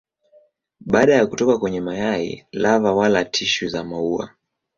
Baada ya kutoka kwenye mayai lava wala tishu za maua.